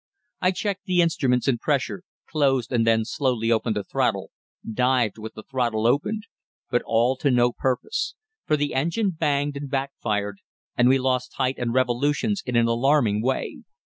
I checked the instruments and pressure, closed and then slowly opened the throttle, dived with the throttle opened; but all to no purpose, for the engine banged and backfired, and we lost height and revolutions in an alarming way.